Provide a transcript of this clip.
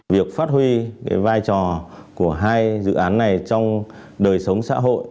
việc phát huy vai trò của hai dự án này trong đời sống xã hội